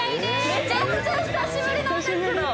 めちゃくちゃ久しぶりなんですけど！